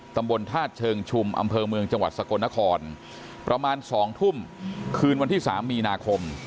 ตำบลธาตุเชิงชุมอำเภอเมืองจังหวัดสกลนครประมาณ๒ทุ่มคืนวันที่๓มีนาคม